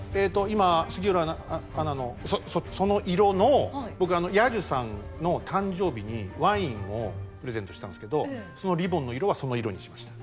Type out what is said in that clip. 今杉浦アナのその色の僕彌十さんの誕生日にワインをプレゼントをしたんですけどそのリボンの色はその色にしました。